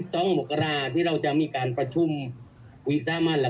ต้องให้ผู้ใยเข้าเป็นคนดูน่ะ